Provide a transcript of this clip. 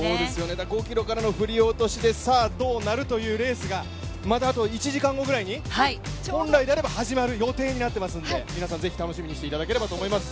だから５ｋｍからの振り落としでさあどうなるというレースがまだあと１時間後ぐらいに、本来であれば始まる予定ではあるので皆さん、ぜひ楽しみにしていただければと思います。